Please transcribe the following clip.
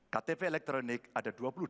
ktp elektronik ada di jawa tengah